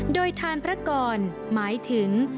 โดยทานพระกรหมายถึง